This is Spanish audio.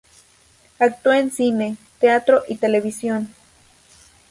Actúa en cine, teatro y televisión.